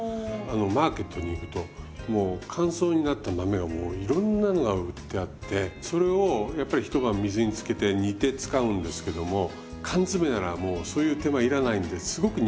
マーケットに行くと乾燥になった豆がもういろんなのが売ってあってそれをやっぱり一晩水につけて煮て使うんですけども缶詰ならもうそういう手間要らないんですごく人気ですよね